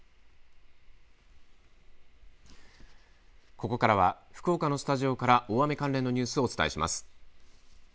ここからは福岡のスタジオから大雨関連のニュースをお伝えします。